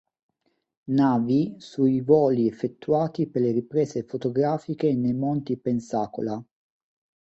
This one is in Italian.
Navy sui voli effettuati per le riprese fotografiche nei Monti Pensacola.